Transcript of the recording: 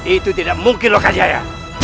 itu tidak mungkin loh kejaya